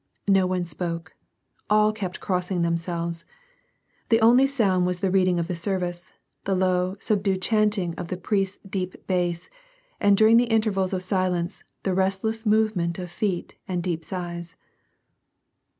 No one spoke ; all kept crossing themselves ; the only sound was the reading of the service, the low, subdued chant ing of the priests' deep bass, and during the intervals of silence, the restless movement of feet and deep sighs.